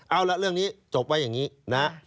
เอาละเรื่องนี้จบไว้อย่างนี้นะฮะ